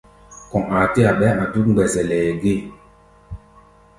Kɔ̧ aa tɛ́-a ɓɛɛ́ a̧ dúk mgbɛzɛlɛ gée.